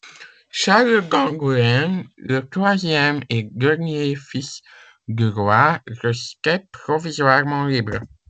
Charles d'Angoulême, le troisième et dernier fils du roi restait provisoirement libre.